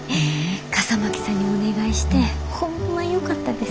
笠巻さんにお願いしてホンマよかったです。